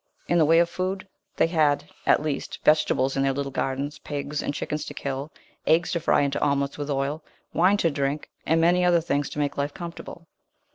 In the way of food, they had, at least, vegetables in their little gardens, pigs and chickens to kill, eggs to fry into omelets with oil, wine to drink, and many other things to make life comfortable.